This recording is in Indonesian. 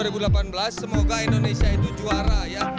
asian games dua ribu delapan belas semoga indonesia itu juara ya